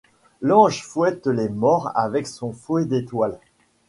L’ange fouette les morts avec son fouet d’étoiles.